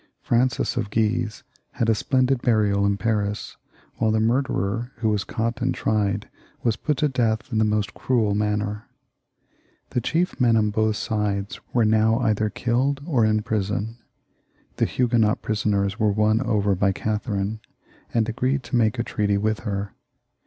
Francis of Guise had a splendid burial in Paris, while the murderer, who was caught and tried, was put to death in the most cruel manner. The chief men on both sides were now either killed or in prison. The Huguenot prisoners were won over by Catherine, and agreed to make a treaty with her.